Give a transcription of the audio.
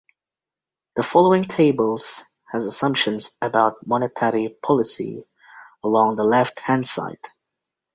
The following tables has assumptions about monetary policy along the left hand side.